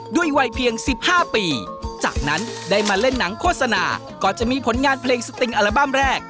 ด้วยวัยเพียง๑๕ปีจากนั้นได้มาเล่นหนังโฆษณาก่อนจะมีผลงานเพลงสติงอัลบั้มแรก